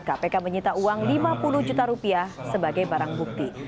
kpk menyita uang lima puluh juta rupiah sebagai barang bukti